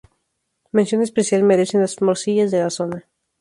Mención especial merecen las morcillas de la zona.